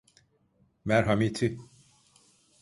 Merhameti.